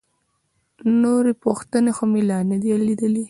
نورې پوښتنې خو مې لا نه دي لیدلي.